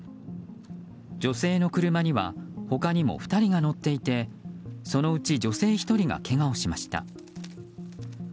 女性の車には他にも２人が乗っていてそのうち女性１人がけがをしました。